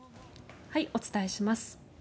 お伝えします。